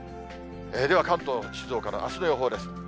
では、関東、静岡のあすの予報です。